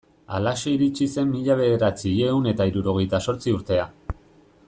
Halaxe iritsi zen mila bederatziehun eta hirurogeita zortzi urtea.